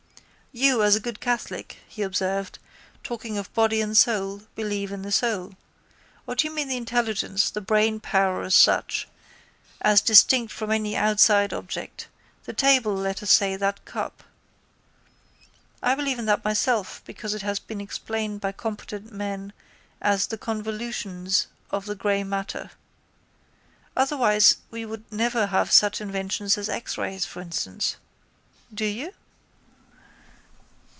—You as a good catholic, he observed, talking of body and soul, believe in the soul. Or do you mean the intelligence, the brainpower as such, as distinct from any outside object, the table, let us say, that cup. I believe in that myself because it has been explained by competent men as the convolutions of the grey matter. Otherwise we would never have such inventions as X rays, for instance. Do you?